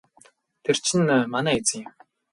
Тэр чинь манай эзэн юм.